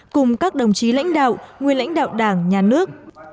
cùng các đồng chí lãnh đạo nguyên lãnh đạo đảng nhà nước